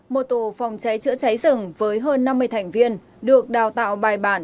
một tù phòng cháy chữa cháy rừng với hơn năm mươi thành viên được đào tạo bài bản